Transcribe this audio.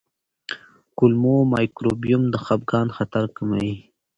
کولمو مایکروبیوم د خپګان خطر کموي.